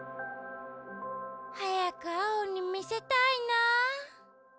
はやくアオにみせたいなあ。